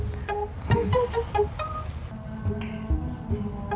ibu udah kuat